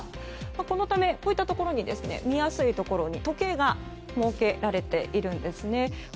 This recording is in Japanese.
このためこういった見やすいところに時計が設けられているんですね。